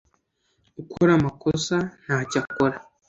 ukora amakosa, ntacyo akora.